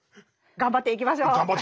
頑張っていきましょう。